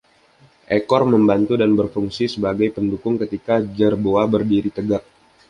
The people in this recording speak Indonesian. Ekor membantu dan berfungsi sebagai pendukung ketika jerboa berdiri tegak.